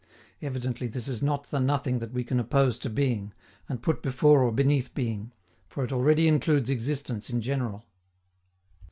Evidently this is not the nothing that we can oppose to being, and put before or beneath being, for it already includes existence in general.